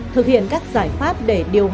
thực hiện các giải pháp để điều hành